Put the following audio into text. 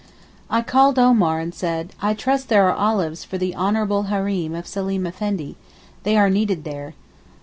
I called Omar and said, 'I trust there are olives for the honourable Hareem of Seleem Effendi—they are needed there.